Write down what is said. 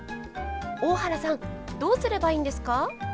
大原さんどうすればいいんですか？